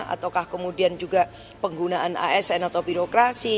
ataukah kemudian juga penggunaan asn atau birokrasi